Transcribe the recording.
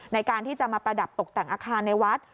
ในการที่จะมาประดับตกแต่งอาคารในวัด